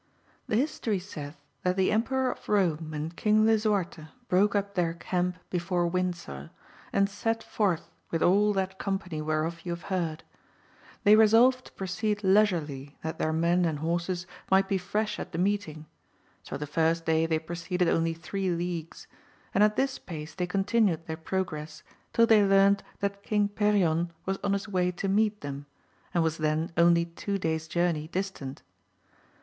HE history saith, that the Emperor of Rome and King Lisuarte broke up their camp be fore Windsor, and set forth with all that company whereof you have heard. They resolved to proceed leisurely, that their men and horses might be fresh at the. meeting ; so the first day they proceeded only three leagues ; and at this pace they continued their progress till they learnt that King Perion was. on his way to meet them, and Was then only two days journey distant.